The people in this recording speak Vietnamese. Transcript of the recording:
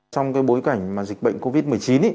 trong cái bối cảnh mà dịch bệnh covid một mươi chín